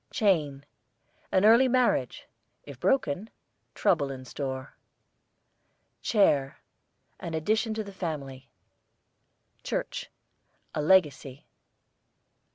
CHAIN, an early marriage; if broken, trouble in store. CHAIR, an addition to the family. CHURCH, a legacy.